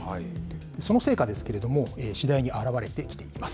その成果ですけれども、次第に現れてきています。